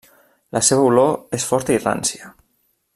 La seva olor és forta i rància.